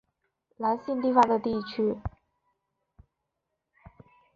南信地方的地区。